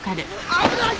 危ない！